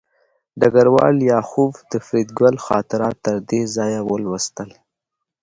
ډګروال لیاخوف د فریدګل خاطرات تر دې ځایه ولوستل